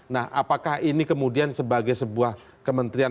nah apakah ini kemudian sebagai sebuah kementerian